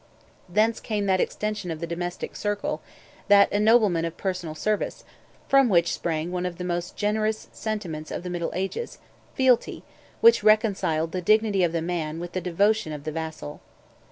Thence came that extension of the domestic circle, that ennoblement of personal service, from which sprang one of the most generous sentiments of the middle ages, fealty, which reconciled the dignity of the man with the devotion of the vassal.